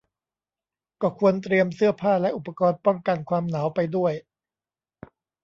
ก็ควรเตรียมเสื้อผ้าและอุปกรณ์ป้องกันความหนาวไปด้วย